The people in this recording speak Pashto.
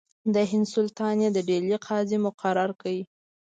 د هند سلطان یې د ډهلي قاضي مقرر کړ.